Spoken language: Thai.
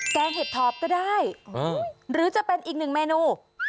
งเห็ดถอบก็ได้หรือจะเป็นอีกหนึ่งเมนู